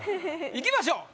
いきましょう。